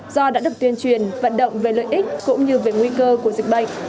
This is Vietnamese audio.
do đã được tuyên truyền vận động về lợi ích cũng như về nguy cơ của dịch bệnh